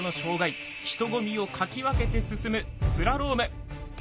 人混みをかき分けて進むスラローム。